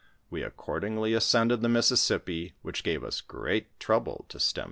We accordingly ascended the Missisipi, which gave us great trouble to stem its currents.